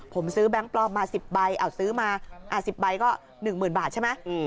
ผมซื้อแบงค์ปลอมมา๑๐ใบซื้อมา๑๐ใบก็๑๐๐๐บาทใช่ไหม